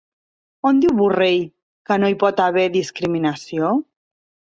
On diu Borrell que no hi pot haver discriminació?